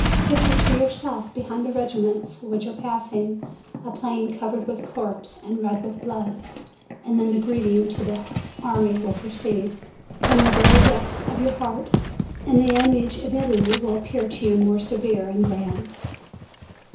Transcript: picture to yourself, behind the regiments which are passing, a plain covered with corpses, and red with blood, and then the greeting to the army will proceed JUNE from the very depths of your heart, and the image of Italy will appear to you more severe and grand."